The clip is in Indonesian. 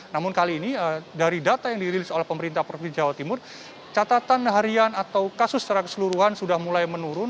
namun kali ini dari data yang dirilis oleh pemerintah provinsi jawa timur catatan harian atau kasus secara keseluruhan sudah mulai menurun